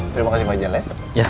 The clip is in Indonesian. terima kasih pak ijal ya